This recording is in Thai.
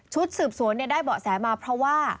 สืบสวนได้เบาะแสมาเพราะว่า